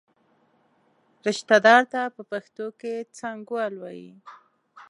رشته دار ته په پښتو کې څانګوال وایي.